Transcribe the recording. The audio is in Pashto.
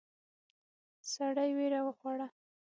سړی وېره وخوړه.